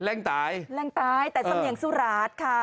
แรงตายแรงตายแต่สำเนียงสุราชค่ะ